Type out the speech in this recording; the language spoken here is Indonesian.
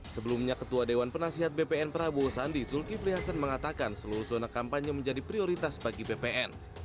sebelumnya ketua dewan penasihat bpn prabowo sandi zulkifli hasan mengatakan seluruh zona kampanye menjadi prioritas bagi bpn